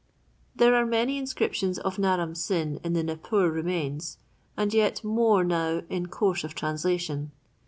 There are many inscriptions of Naram Sin in the Nippur remains, and yet more now in course of translation.